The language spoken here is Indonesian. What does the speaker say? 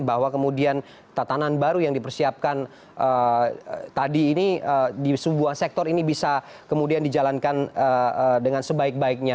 bahwa kemudian tatanan baru yang dipersiapkan tadi ini di sebuah sektor ini bisa kemudian dijalankan dengan sebaik baiknya